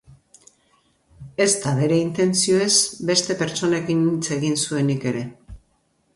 Ezta bere intentzioez beste pertsonekin hitz egin zuenik ere.